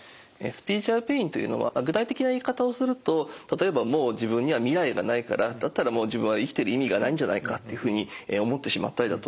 スピリチュアルペインというのは具体的な言い方をすると例えば「もう自分には未来がないからだったらもう自分は生きてる意味がないんじゃないか」っていうふうに思ってしまったりだとか